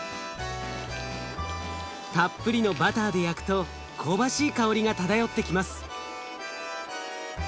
たっぷりのバターで焼くと香ばしい香りが漂ってきます。